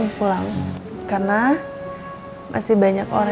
aku mau kamu yang ngerawat aku tuhan